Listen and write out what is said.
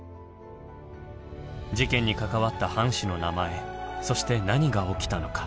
事件に関わった藩士の名前そして何が起きたのか。